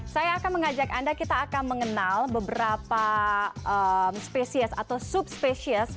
saya akan mengajak anda kita akan mengenal beberapa spesies atau subspesies